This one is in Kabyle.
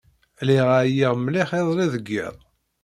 Lliɣ ɛyiɣ mliḥ iḍelli deg yiḍ.